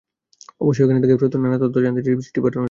অবশ্য এখন তাঁকে ফেরাতে নানা তথ্য জানতে চেয়ে চিঠি পাঠানো হচ্ছে।